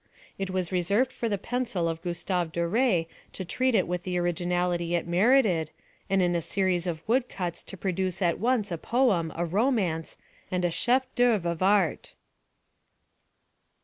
It was reserved for the pencil of Gustave Doré to treat it with the originality it merited, and in a series of woodcuts to produce at once a poem, a romance, and a chef d'œuvre of art.